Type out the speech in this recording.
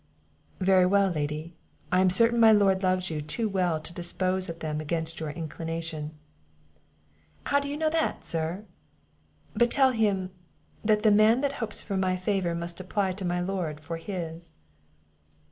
"Very well, Lady; I am certain my lord loves you too well to dispose of them against your inclination." "How do you know that, sir? But tell him, that the man that hopes for my favour must apply to my lord for his."